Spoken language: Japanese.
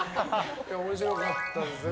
面白かったですね。